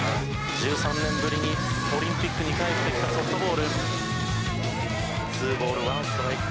１３年ぶりにオリンピックに帰ってきたソフトボール。